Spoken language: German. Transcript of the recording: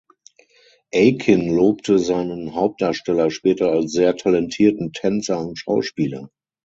Akin lobte seinen Hauptdarsteller später als sehr talentierten Tänzer und Schauspieler.